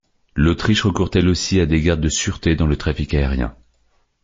L'Autriche recourt elle aussi à des gardes de sûreté dans le trafic aérien.